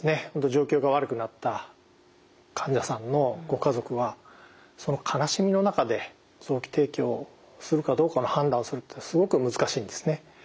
状況が悪くなった患者さんのご家族は悲しみの中で臓器提供するかどうかの判断をするってすごく難しいんですね。